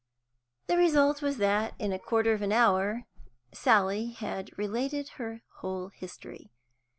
The result was that, in a quarter of an hour Sally had related her whole history.